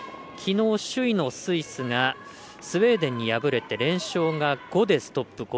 きのう、首位のスイスがスウェーデンに敗れて連勝が５でストップ。